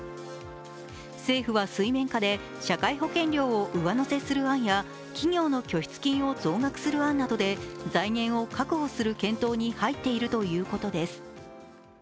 政府は水面下で社会保険料を上乗せする案や企業の拠出金を増額する案などで財源を確保する検討に入っているということです。